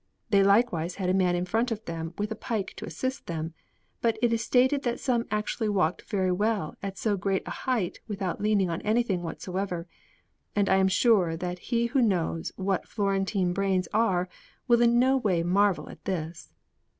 They likewise had a man in front of them with a pike to assist them; but it is stated that some actually walked very well at so great a height without leaning on anything whatsoever, and I am sure that he who knows what Florentine brains are will in no way marvel at this.